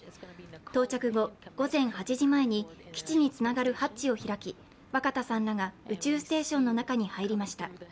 到着後、午前８時前に基地につながるハッチを開き若田さんらが宇宙ステーションの中に入りました。